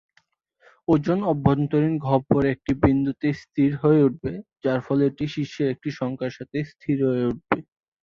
ওজন অভ্যন্তরীণ গহ্বরের একটি বিন্দুতে স্থির হয়ে উঠবে, যার ফলে এটি শীর্ষের একটি সংখ্যার সাথে স্থির হয়ে উঠবে।